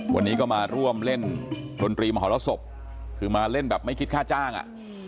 วันนี้ก็มาร่วมเล่นดนตรีมหรสบคือมาเล่นแบบไม่คิดค่าจ้างอ่ะ